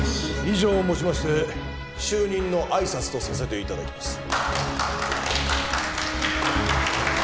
以上をもちまして就任の挨拶とさせて頂きます。